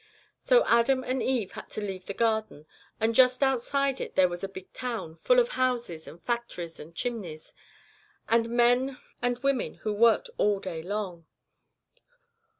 So Adam and Eve had to leave the Garden, and just outside it there was a big town, full of houses and factories and chimneys, and men and women who worked all day long.